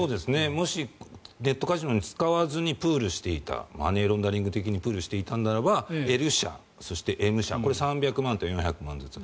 もし、ネットカジノに使わずにプールしていたマネーロンダリング的にプールしていたのであればＬ社、そしてＭ社これ、３００万と４００万ずつ。